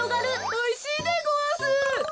おいしいでごわす。